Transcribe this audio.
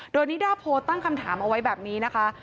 โดยนิด้าโพลตั้งคำถามเอาไว้แบบนี้นะคะ